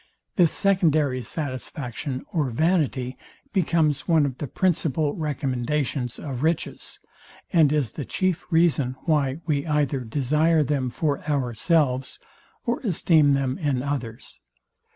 This secondary satisfaction or vanity becomes one of the principal recommendations of riches, and is the chief reason, why we either desire them for ourselves, or esteem them in others.